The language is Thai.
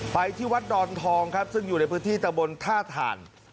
ไปที่วัดดอนทองครับซึ่งอยู่ในพื้นที่ตะบนท่าถ่าน